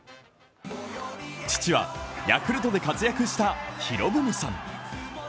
父はヤクルトで活躍した博文さん。